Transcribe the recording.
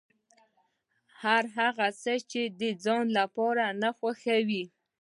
هر هغه څه چې د ځان لپاره نه خوښوې.